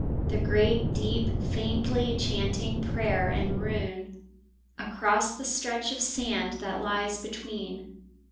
The great deep faintly chanting prayer and rune Across the stretch of sand that lies between.